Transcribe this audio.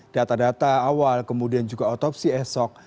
data data awal kemudian juga otopsi esok